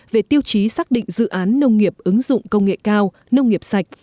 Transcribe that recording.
về tiêu chí xác định dự án nông nghiệp ứng dụng công nghệ cao nông nghiệp sạch